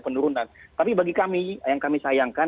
penurunan tapi bagi kami yang kami sayangkan